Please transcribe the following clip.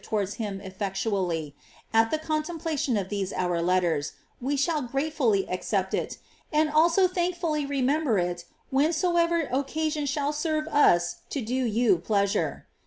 41 towards him effectually, at the contemplation of tliese our letters, we shall grat^ lilij accept it, and also thankfully remember it whensoever occasion shall serve u to do you pleasure.